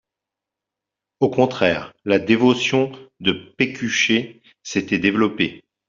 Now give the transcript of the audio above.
Au contraire, la dévotion de Pécuchet s'était développée.